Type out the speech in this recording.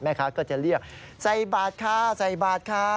ก็จะเรียกใส่บาทค่ะใส่บาทค่ะ